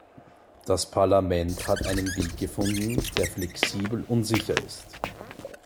Das Parlament hat einen Weg gefunden, der flexibel und sicher ist.